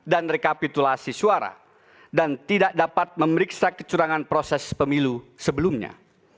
dan rekapitulasi suara dan tidak dapat memeriksa kecurangan proses pemilu sebelumnya